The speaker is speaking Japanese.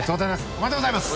おめでとうございます！